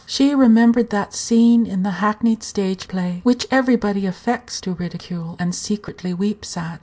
She remembered that scene in the hackneyed stage play, which everybody affects to ridicule, and secretly weeps at.